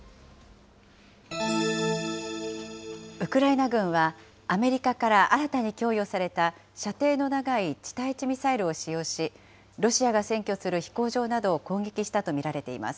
ウクライナ軍は、アメリカから新たに供与された射程の長い地対地ミサイルを使用し、ロシアが占拠する飛行場などを攻撃したと見られています。